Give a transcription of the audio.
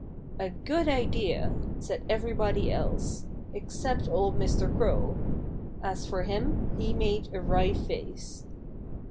"A good idea!" said everybody else except old Mr. Crow. As for him, he made a wry face.